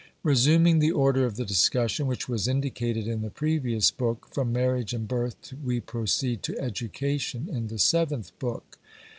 Resuming the order of the discussion, which was indicated in the previous book, from marriage and birth we proceed to education in the seventh book.